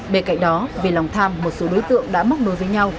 bên cạnh đó vì lòng tham một số đối tượng đã móc đối với nhau